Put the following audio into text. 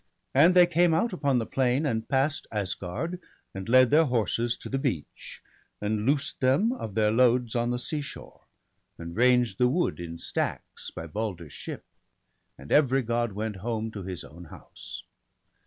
And they came out upon the plain, and pass'd Asgard, and led their horses to the beach, And loosed them of their loads on the seashore, And ranged the wood in stacks by Balder's ship; And every God went home to his own house.